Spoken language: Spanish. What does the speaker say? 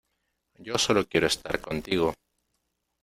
yo solo quiero estar contigo.